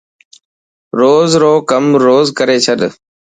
روز رو ڪم روز ڪري ڇڏ.